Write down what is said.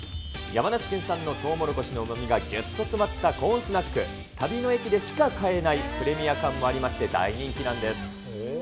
山梨県産のとうもろこしのうまみがぎゅっと詰まったコーンスナック、旅の駅でしか買えないプレミア感もありまして、大人気なんです。